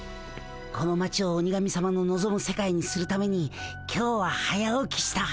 この町を鬼神さまののぞむ世界にするために今日は早起きした。